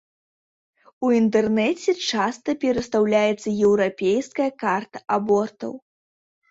У інтэрнэце часта перастаўляецца еўрапейская карта абортаў.